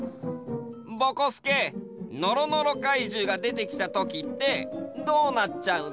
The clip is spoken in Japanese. ぼこすけのろのろかいじゅうがでてきたときってどうなっちゃうの？